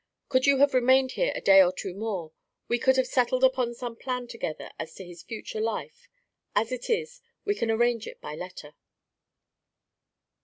Could you have remained here a day or two more, we could have settled upon some plan together as to his future life; as it is, we can arrange it by letter."